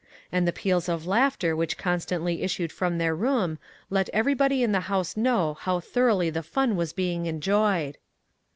And the peals of laughter which constantly issued from their room let everybody in the house know how thoroughly the fun was being enjoyed.